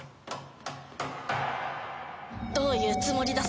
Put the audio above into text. どういうつもりだ？